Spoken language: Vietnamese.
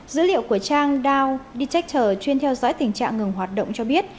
dữ liệu của trang dow detector chuyên theo dõi tình trạng ngừng hoạt động cho biết